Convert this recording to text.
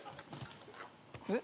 ・えっ？